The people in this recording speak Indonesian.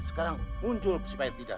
sekarang muncul si pahit tidak